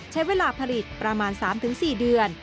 ใช้เวลาผลิตประมาณ๓๔เดือน